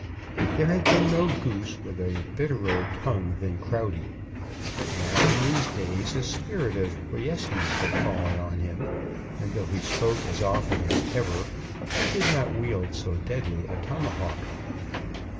There had been no Goose with a bitterer tongue than Crowdy; but now in these days a spirit of quiescence had fallen on him; and though he spoke as often as ever, he did not wield so deadly a tomahawk.